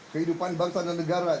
kehidupan bangsa dan negara